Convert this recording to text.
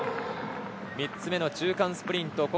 ３つ目の中間スプリント